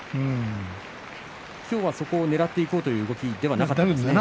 今日は、そこをねらっていこうという動きではなかったんですね。